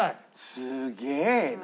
すげえな。